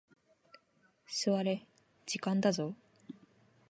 座れ、時間だぞ。